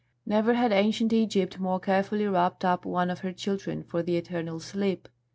Never had ancient Egypt more carefully wrapped up one of her children for the eternal sleep.